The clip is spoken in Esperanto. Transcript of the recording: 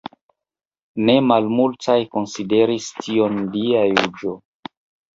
Ne malmultaj konsideris tion dia juĝo.